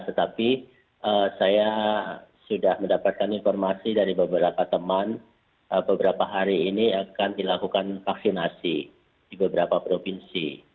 tetapi saya sudah mendapatkan informasi dari beberapa teman beberapa hari ini akan dilakukan vaksinasi di beberapa provinsi